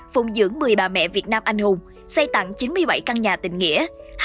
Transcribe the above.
phùng dưỡng một mươi bà mẹ việt nam anh hùng xây tặng chín mươi bảy căn nhà tình nghĩa